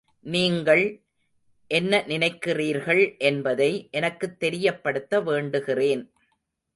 நீங்கள் என்ன நினைக்கிறீர்கள் என்பதை எனக்குத் தெரியப்படுத்த வேண்டுகிறேன்.